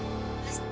kamu sudah berubah